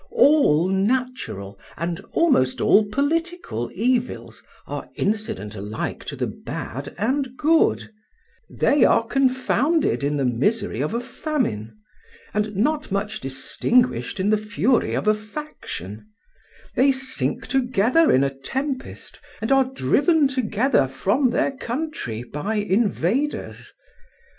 All natural and almost all political evils are incident alike to the bad and good; they are confounded in the misery of a famine, and not much distinguished in the fury of a faction; they sink together in a tempest and are driven together from their country by invaders.